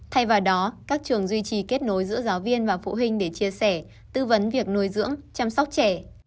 thay vào đó các trường duy trì kết nối giữa giáo viên và phụ huynh để chia sẻ tư vấn việc nuôi dưỡng chăm sóc trẻ